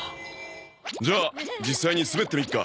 じゃあ実際に滑ってみっか。